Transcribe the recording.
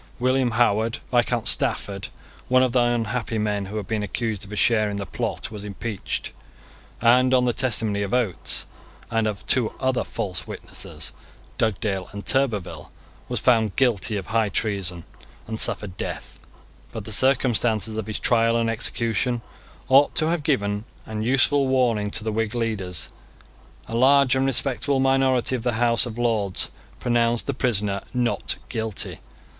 William Howard, Viscount Stafford, one of the unhappy men who had been accused of a share in the plot, was impeached; and on the testimony of Oates and of two other false witnesses, Dugdale and Turberville, was found guilty of high treason, and suffered death. But the circumstances of his trial and execution ought to have given an useful warning to the Whig leaders. A large and respectable minority of the House of Lords pronounced the prisoner not guilty.